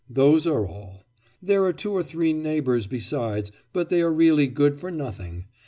Those are all. There are two or three neighbours besides, but they are really good for nothing.